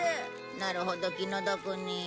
なるほど気の毒に。